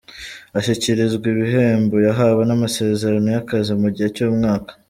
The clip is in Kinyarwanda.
Ashyikirizwa ibihembo, yahawe n’amasezerano y’akazi mu gihe cy’umwaka.